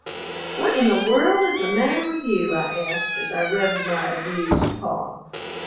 "What in the world is the matter with you?" I asked, as I rubbed my abused paw.